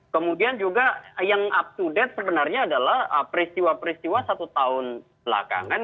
kemudian juga yang up to date sebenarnya adalah peristiwa peristiwa satu tahun belakangan